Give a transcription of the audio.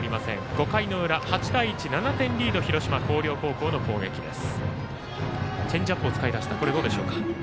５回の裏、８対１、７点リード広島の広陵高校の攻撃です。